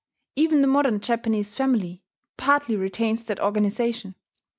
Even the modern Japanese family partly retains that organization.